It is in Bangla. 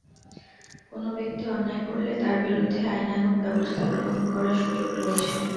কোনো ব্যক্তি অন্যায় করলে তাঁর বিরুদ্ধে আইনানুগ ব্যবস্থা গ্রহণ করার সুযোগ রয়েছে।